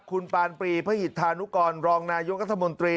คุณปานปรีพระหิตธานุกรรองนายกรัฐมนตรี